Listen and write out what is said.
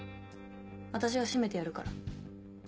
私がシメてやるから。